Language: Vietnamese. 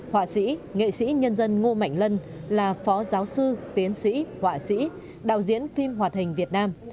họa sĩ nghệ sĩ nhân dân ngô mạnh lân là phó giáo sư tiến sĩ họa sĩ đạo diễn phim hoạt hình việt nam